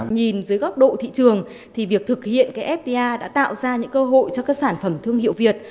nhìn dưới góc độ thị trường thì việc thực hiện cái fta đã tạo ra những cơ hội cho các sản phẩm thương hiệu việt